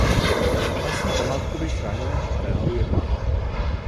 Součástí památkově chráněného areálu je park.